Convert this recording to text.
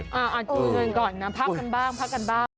เอาก่อนนะพักกันบ้างพักกันบ้าง